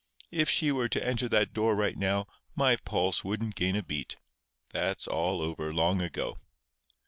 If she were to enter that door right now, my pulse wouldn't gain a beat. That's all over long ago."